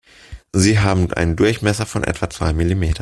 Sie haben einen Durchmesser von etwa zwei Millimetern.